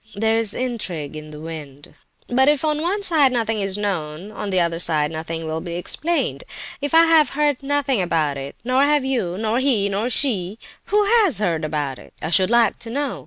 There is intrigue in the wind; but if on one side nothing is known, on the other side nothing will be explained. If I have heard nothing about it, nor have you, nor he, nor she—who has heard about it, I should like to know?